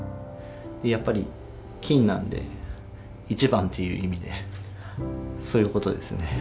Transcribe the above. やっぱり金なんで１番っていう意味でそういう事ですね。